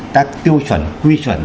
các tiêu chuẩn quy chuẩn